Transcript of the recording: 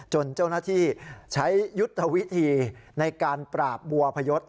เจ้าหน้าที่ใช้ยุทธวิธีในการปราบบัวพยศ